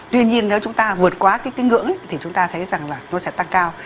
tuy nhiên nếu chúng ta vượt qua cái ngưỡng thì chúng ta thấy rằng là nó sẽ tăng cao